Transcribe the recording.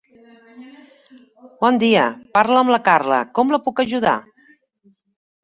Bon dia, parla amb la Carla, com la puc ajudar?